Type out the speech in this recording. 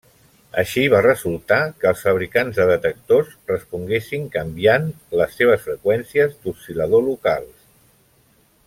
Així va resultar que els fabricants de detectors responguessin canviant les seves freqüències d'oscil·lador locals.